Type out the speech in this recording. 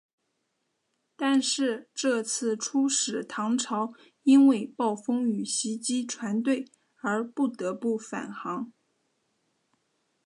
但是这次出使唐朝因为暴风雨袭击船队而不得不返航。